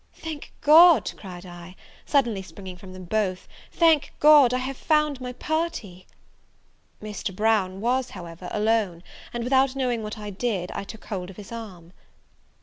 "Thank God," cried I, suddenly springing from them both, "thank God, I have found my party." Mr. Brown was, however, alone; and, without knowing what I did, I took hold of his arm.